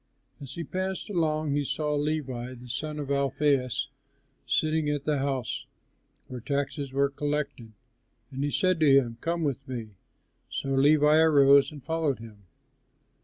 As he passed along he saw Levi, the son of Alphæus, sitting at the house where taxes were collected, and he said to him, "Come with me." So Levi arose and followed him.